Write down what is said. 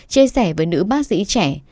chia sẻ với nữ bác sĩ trẻ